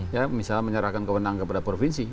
ya misalnya menyerahkan kewenangan kepada provinsi